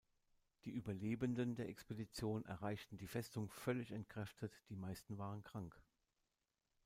Die Überlebenden der Expedition erreichten die Festung völlig entkräftet, die meisten waren krank.